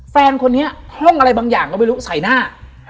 แฟนคนนี้ห้องอะไรบางอย่างก็ไม่รู้ใส่หน้า